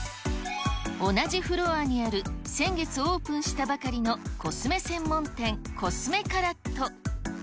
同じフロアにある、先月オープンしたばかりのコスメ専門店、コスメカラット。